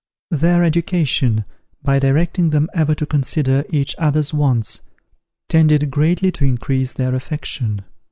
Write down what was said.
Their education, by directing them ever to consider each other's wants, tended greatly to increase their affection.